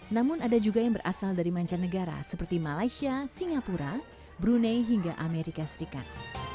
namun ada juga yang berasal dari mancanegara seperti malaysia singapura brunei hingga amerika serikat